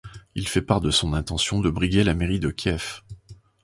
Il fait part de son intention de briguer la mairie de Kiev.